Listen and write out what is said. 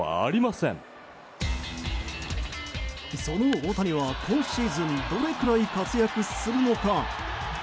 その大谷は、今シーズンどれくらい活躍するのか？